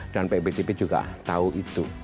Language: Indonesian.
dan pak btp juga tahu itu